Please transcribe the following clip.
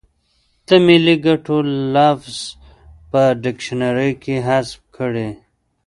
د ملي ګټو لفظ په ډکشنري کې حذف کړي.